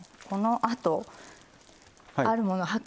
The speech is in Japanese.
このあとあるもの